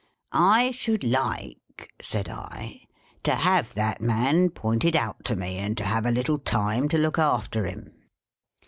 "' I should like,' said I, ' to have that man pointed out to me, and to have a little time to look after him.'